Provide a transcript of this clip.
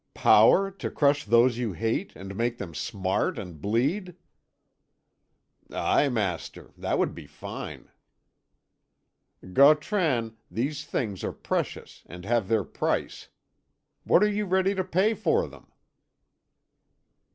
"Power, to crush those you hate, and make them smart and bleed?" "Aye, master. That would be fine." "Gautran, these things are precious, and have their price. What are you ready to pay for them?"